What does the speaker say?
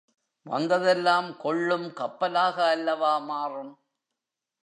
வந்ததெல்லாம் கொள்ளும் கப்பலாக அல்லவா மாறும்!